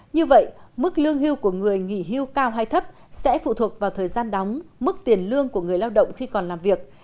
như vậy mức lương hưu của người nghỉ hưu cao hay thấp sẽ phụ thuộc vào thời gian đóng mức tiền lương của người lao động khi còn làm việc